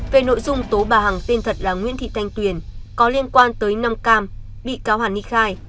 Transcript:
về nội dung tố bà hằng tên thật là nguyễn thị thanh tuyền có liên quan tới năm cam bị cáo hàn ni khai